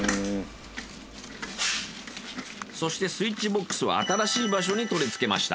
そしてスイッチボックスは新しい場所に取り付けました。